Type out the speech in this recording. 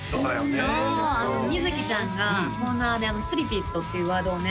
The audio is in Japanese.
そうあの瑞ちゃんがコーナーで「つりビット」っていうワードをね